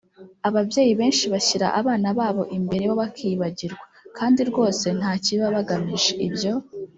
Ababyeyi benshi bashyira abana babo imbere bo bakiyibagirwa kandi rwose nta kibi baba bagamije ibyo